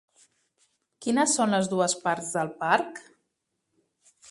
Quines són les dues parts del parc?